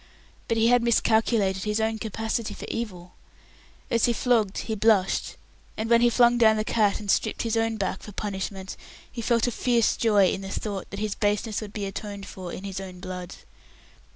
But he had miscalculated his own capacity for evil. As he flogged, he blushed; and when he flung down the cat and stripped his own back for punishment, he felt a fierce joy in the thought that his baseness would be atoned for in his own blood.